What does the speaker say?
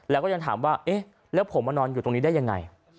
แล้วก็ยังถามว่าเอ๊ะแล้วผมมานอนอยู่ตรงนี้ได้ยังไง